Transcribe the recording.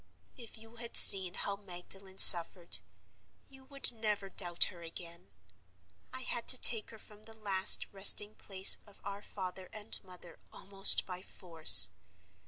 "If you had seen how Magdalen suffered, you would never doubt her again. I had to take her from the last resting place of our father and mother almost by force.